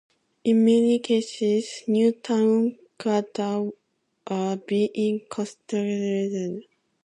In many cases new town quarters are being constructed in existing rural culture museums.